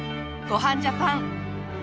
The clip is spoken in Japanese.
『ごはんジャパン』。